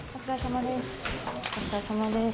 お疲れさまです。